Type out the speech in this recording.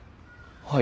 はい。